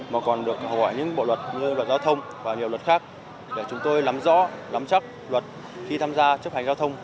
mà còn được hỏi những bộ luật như luật giao thông và nhiều luật khác để chúng tôi lắm rõ lắm chắc luật khi tham gia chấp hành giao thông